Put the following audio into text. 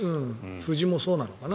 フジもそうなのかな。